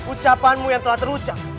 ucapanmu yang telah terucap